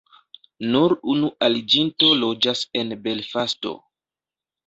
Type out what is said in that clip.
Nur unu aliĝinto loĝas en Belfasto.